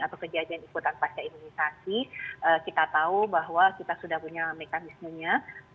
atau kejadian ikutan vaksin imunisasi kita tahu bahwa kita sudah punya mekanismenya